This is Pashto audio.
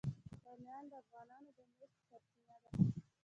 بامیان د افغانانو د معیشت سرچینه ده.